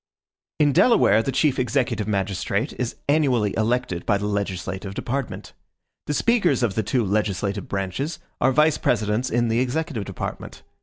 In Delaware, the chief executive magistrate is annually elected by the legislative department. The speakers of the two legislative branches are vice presidents in the executive department.